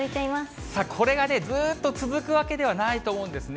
これがね、ずっと続くわけではないと思うんですね。